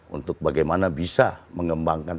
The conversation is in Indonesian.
untuk bagaimana bisa mengembangkan